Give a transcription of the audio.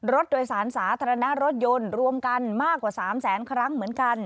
รถโดยสารสาธารณะรถยนต์รวมกันมากกว่า๓แสนครั้งเหมือนกัน